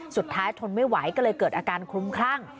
ทนไม่ไหวก็เลยเกิดอาการคลุ้มคลั่ง